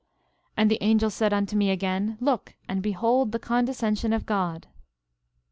11:26 And the angel said unto me again: Look and behold the condescension of God!